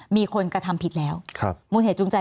มีความรู้สึกว่ามีความรู้สึกว่า